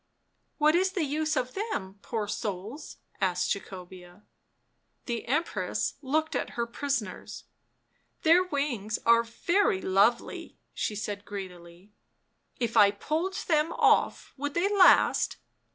"What is the use of them, poor souls?"' asked Jacobea. The Empress looked at her prisoners. " Their wings are very lovely," she said greedily. " If I pulled them off would they last